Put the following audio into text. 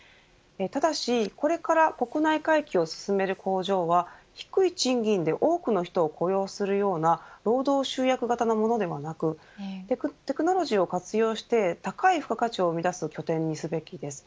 ただしこれから国内回帰を進める工場は低い賃金で多くの人を雇用するような労働集約型のものではなくテクノロジーを活用して高い付加価値を生み出す拠点にすべきです。